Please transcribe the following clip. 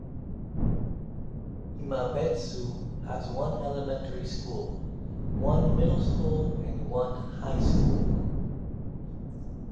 Imabetsu has one elementary school, one middle school and one high school.